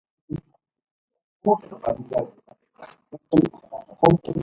An important part of geologic modelling is related to geostatistics.